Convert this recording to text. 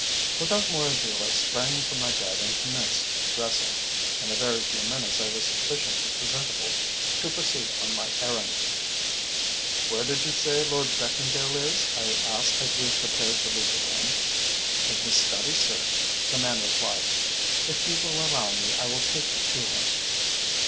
"Without more ado I sprang from my bed and commenced dressing. In a very few minutes I was sufficiently presentable to proceed on my errand. "'Where did you say Lord Beckingdale is?' I asked, as we prepared to leave the room. "'In his study, sir,' the man replied. 'If you will allow me I will take you to him.'